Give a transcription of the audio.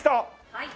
はい。